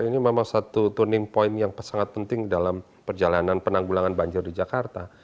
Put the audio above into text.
ini memang satu turning point yang sangat penting dalam perjalanan penanggulangan banjir di jakarta